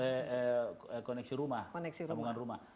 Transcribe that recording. iya untuk koneksi rumah sambungan rumah